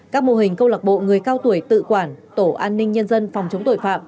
các mô hình câu lạc bộ người cao tuổi tự quản tổ an ninh nhân dân phòng chống tội phạm